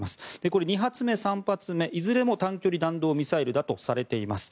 これ、２発目、３発目いずれも短距離弾道ミサイルだとされています。